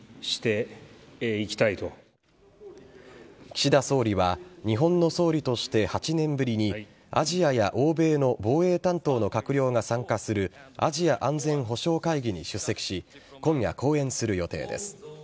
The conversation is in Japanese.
岸田総理は日本の総理として８年ぶりにアジアや欧米の防衛担当の閣僚が参加するアジア安全保障会議に出席し今夜、講演する予定です。